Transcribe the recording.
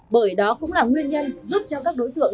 bởi đó cũng là nguyên nhân giúp cho các đối tượng